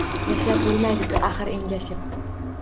Yashab bo‘lmaydiku axir engashib